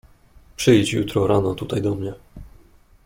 "Przyjdź jutro rano tutaj do mnie."